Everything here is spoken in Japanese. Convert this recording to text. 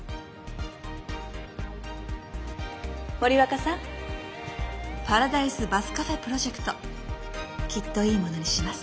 森若さんパラダイスバスカフェプロジェクトきっといいものにします。